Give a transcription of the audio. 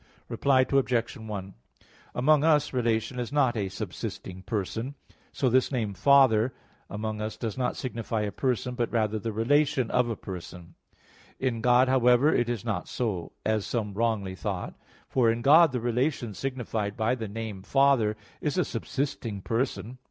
Reply Obj. 1: Among us relation is not a subsisting person. So this name "father" among us does not signify a person, but the relation of a person. In God, however, it is not so, as some wrongly thought; for in God the relation signified by the name "Father" is a subsisting person.